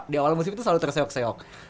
di awal musik itu selalu terseok seok